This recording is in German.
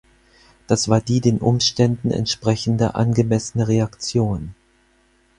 Das war die den Umständen entsprechende angemessene Reaktion.